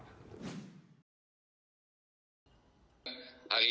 ketika anda memiliki keuntungan untuk memulai program pensiun di percepat apa yang akan anda lakukan